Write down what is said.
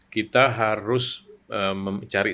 kita harus mencari